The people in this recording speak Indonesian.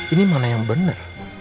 ini mana yang bener